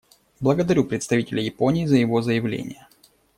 Благодарю представителя Японии за его заявление.